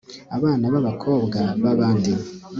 abana babakobwa babandi